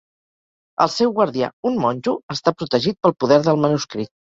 El seu guardià, un monjo, està protegit pel poder del manuscrit.